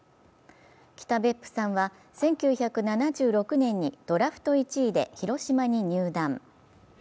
北別府さんは１９７６年にドラフト１位で広島に入団。